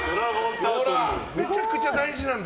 めちゃくちゃ大事なんだ。